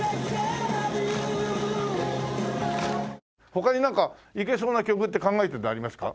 他になんかいけそうな曲って考えてるのありますか？